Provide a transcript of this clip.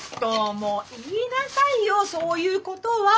もう言いなさいよそういうことは！